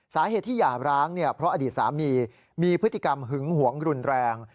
สาเหตุที่หย่าร้างเนี่ยเพราะอดีตสามีมีพฤติกรรมหึงหวงรุนแรง